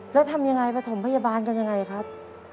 แล้วทำอย่างไรประถมพยาบาลกันอย่างไรครับ